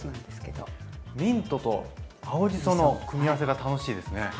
ミントと青じその組み合わせが楽しいですね。